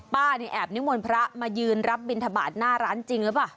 แอบนิมนต์พระมายืนรับบินทบาทหน้าร้านจริงหรือเปล่า